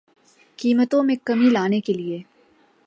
قیمتوں میں کمی لانے کیلئے